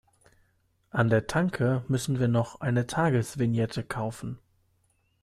An der Tanke müssen wir noch eine Tagesvignette kaufen.